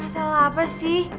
masalah apa sih